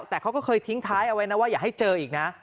แต่เขาก็เคยทิ้งท้ายเอาไว้นะว่าอย่าให้เจออีกนะ